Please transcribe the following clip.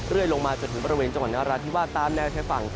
เดินลงมาจนถึงบรารเวณจังหวังราชที่ว่าตามแนวแถวฝั่ง